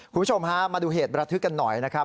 คุณผู้ชมฮะมาดูเหตุประทึกกันหน่อยนะครับ